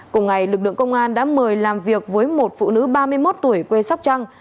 cùng ngày lực lượng công an đã mời làm việc với một phụ nữ ba mươi một tuổi quê sóc trăng